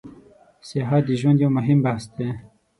سیاحت د ژوند یو موهیم بحث ده